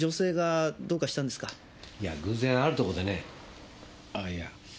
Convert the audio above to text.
いや偶然あるとこでねあいや。